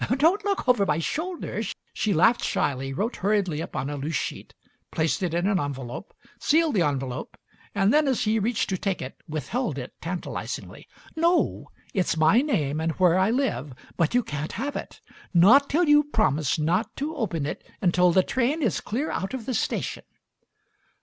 "Don't look over my shoulder." She laughed shyly, wrote hurriedly upon a loose sheet, placed it in an envelope, sealed the envelope, and then, as he Digitized by Google 160 MARY SMITH reached to take it, withheld it tantalizingly. "No. It's my name and where I live, but you can't have it. Not till you've promised not to open it until the train is clear out of the station."